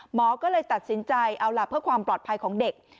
หมอก็เลยตัดสินใจเอาล่ะเพื่อความปลอดภัยของเด็ก